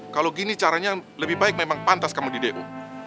kalau gini caranya lebih baik memang pantas kamu di du